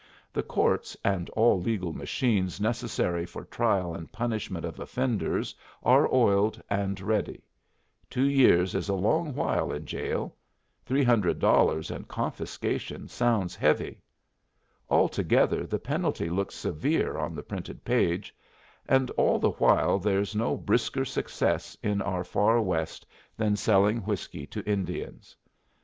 The courts and all legal machines necessary for trial and punishment of offenders are oiled and ready; two years is a long while in jail; three hundred dollars and confiscation sounds heavy; altogether the penalty looks severe on the printed page and all the while there's no brisker success in our far West than selling whiskey to Indians.